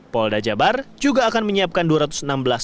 polda jabar juga akan menyiapkan dua ratus enam belas